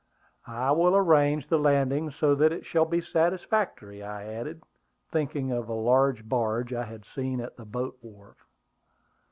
"I will arrange the landing so that it shall be satisfactory," I added, thinking of a large barge I had seen at the boat wharf.